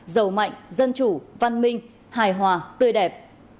giàu mạnh dân chủ văn minh hài hòa tươi đẹp